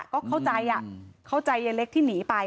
ก็เข้าใจเข้าใจยายเล็กที่หนีไป